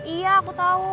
iya aku tau